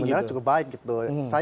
sebenarnya cukup baik gitu